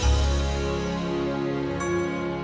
terima kasih pak